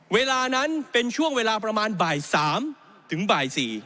เวลานั้นเป็นช่วงเวลาประมาณบ่าย๓ถึงบ่าย๔